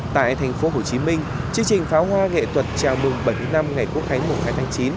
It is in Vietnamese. tại thành phố hồ chí minh chương trình pháo hoa nghệ thuật chào mừng bảy mươi năm ngày quốc khánh mùng hai tháng chín